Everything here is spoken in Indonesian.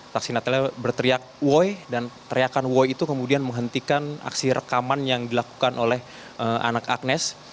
taksi natalnya berteriak woy dan teriakan woy itu kemudian menghentikan aksi rekaman yang dilakukan oleh anak agnes